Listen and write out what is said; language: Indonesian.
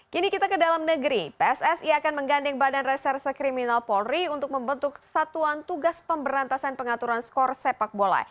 kini kita ke dalam negeri pssi akan menggandeng badan reserse kriminal polri untuk membentuk satuan tugas pemberantasan pengaturan skor sepak bola